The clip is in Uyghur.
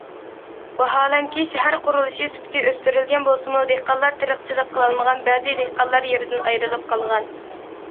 ۋاھالەنكى، شەھەر قۇرۇلۇشى سۈپىتى ئۆستۈرۈلگەن بولسىمۇ، دېھقانلار تېرىقچىلىق قىلالمىغان، بەزى دېھقانلار يېرىدىن ئايرىلىپ قالغان.